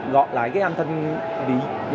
gọt lại cái âm thanh